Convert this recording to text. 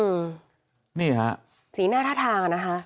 อือนี่ฮะสีหน้าทาทานะคะ